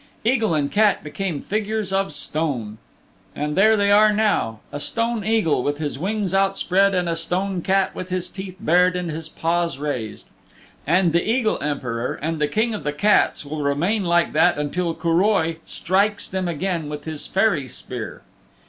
Eagle and Cat became figures of stone. And there they are now, a Stone Eagle with his wings outspread and a Stone Cat with his teeth bared and his paws raised. And the Eagle Emperor and the King of the Cats will remain like that until Curoi strikes them again with his fairy spear.